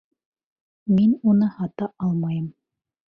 Мин уны һата алмайым.